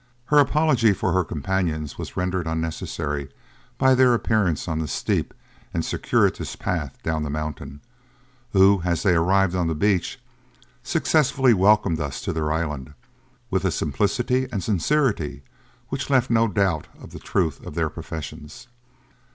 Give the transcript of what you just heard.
Her apology for her companions was rendered unnecessary by their appearance on the steep and circuitous path down the mountain, who, as they arrived on the beach, successively welcomed us to their island, with a simplicity and sincerity which left no doubt of the truth of their professions.'